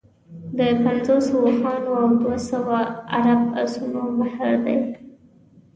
د پنځوسو اوښانو او دوه سوه عرب اسونو مهر دی.